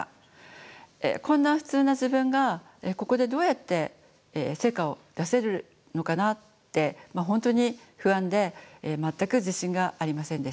こんな普通な自分がここでどうやって成果を出せるのかなって本当に不安で全く自信がありませんでした。